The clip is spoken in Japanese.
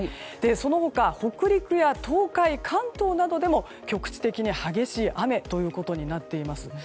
その他、北陸や東海関東などでも局地的に激しい雨ということになっています。